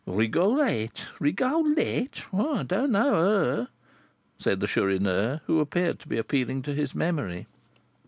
"Rigolette! Rigolette! I don't know her," said the Chourineur, who appeared to be appealing to his memory.